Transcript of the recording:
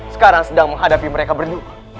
sekarang sedang menghadapi mereka berdua